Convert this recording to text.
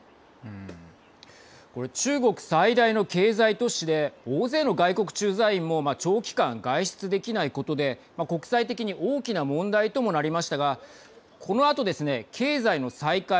これ、中国最大の経済都市で大勢の外国駐在員も長期間外出できないことで国際的に大きな問題ともなりましたがこのあとですね、経済の再開